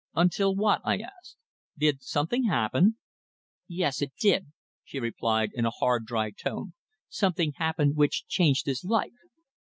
"Until what?" I asked. "Did something happen?" "Yes, it did," she replied in a hard, dry tone. "Something happened which changed his life."